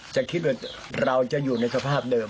จะคิดว่าเราจะอยู่ในสภาพเดิม